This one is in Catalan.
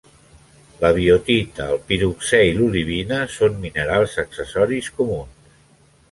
La biotita, el piroxè i l'olivina són minerals accessoris comuns.